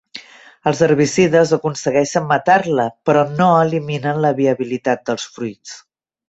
Els herbicides aconsegueixen matar-la però no eliminen la viabilitat dels fruits.